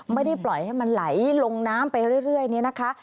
ไม่ได้ปล่อยให้มันไหลลงน้ำไปเรื่อยเนี่ยนะคะ